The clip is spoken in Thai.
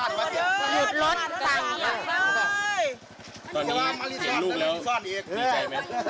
ดีใจมากเลย